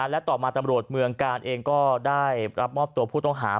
และต่อมาตำรวจเมืองการอาจรถุกราบพูดต้องหา